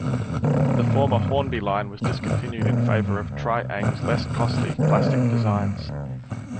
The former Hornby line was discontinued in favour of Tri-ang's less costly plastic designs.